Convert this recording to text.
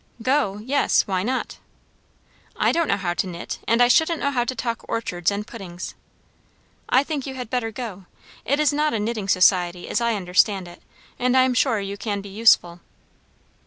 "Go? yes. Why not?" "I don't know how to knit; and I shouldn't know how to talk orchards and puddings." "I think you had better go. It is not a knitting society, as I understand it; and I am sure you can be useful."